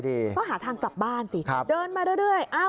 ก็หาทางกลับบ้านสิเดินมาเรื่อย